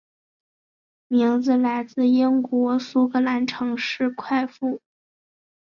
名字来自英国苏格兰城市快富。